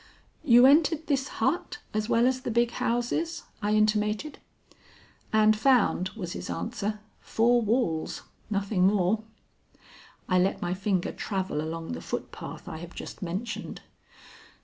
"You entered this hut as well as the big houses?" I intimated. "And found," was his answer, "four walls; nothing more." I let my finger travel along the footpath I have just mentioned.